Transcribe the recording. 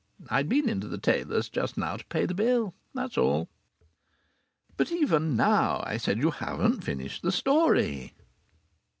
I'd been into the tailor's just now to pay the bill. That's all." "But even now," I said, "you haven't finished the story."